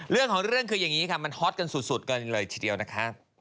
เรื่องของเรื่องคืออย่างนี้ค่ะมันฮอตกันสุดกันเลยทีเดียวนะคะ